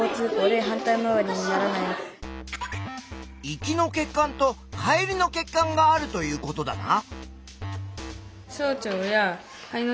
行きの血管と帰りの血管があるということだな！